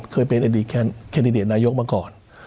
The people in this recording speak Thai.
เคยเป็นอดีตแคนดิเดตนายกมาก่อน